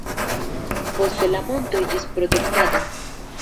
Poste la monto iĝis protektata.